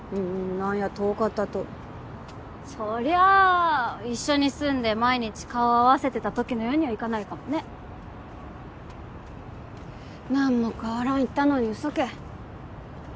何や遠かったとそりゃあ一緒に住んで毎日顔合わせてた時のようにはいかないかもね何も変わらん言ったのに嘘け？